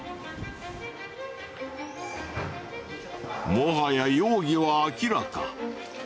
もはや容疑は明らか。